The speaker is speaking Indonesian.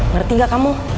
ngerti gak kamu